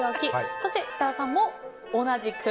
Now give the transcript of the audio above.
そして設楽さんも同じく。